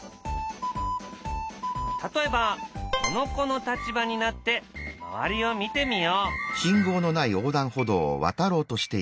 例えばこの子の立場になって周りを見てみよう。